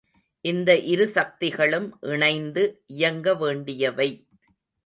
இந்த இருசக்திகளும் இணைந்து இயங்க வேண்டியவை.